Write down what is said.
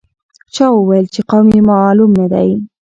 چا وویل چې قوم یې معلوم نه دی.